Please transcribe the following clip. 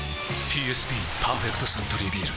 ＰＳＢ「パーフェクトサントリービール」